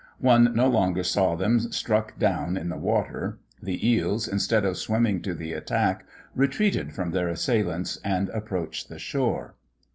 One no longer saw them struck down in the water; the eels, instead of swimming to the attack, retreated from their assailants, and approached the shore."